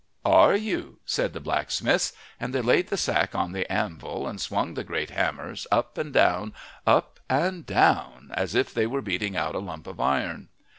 "Are you?" said the blacksmiths; and they laid the sack on the anvil and swung the great hammers, up and down, up and down, as if they were beating out a lump of iron.